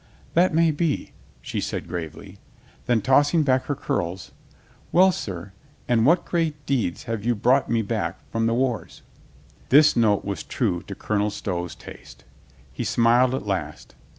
"That may be," she said gravely. Then, tossing back her curls, "Well, sir, and what great deeds have you brought me back from the wars ?" This note was true to Colonel Stow's taste. He smiled at last.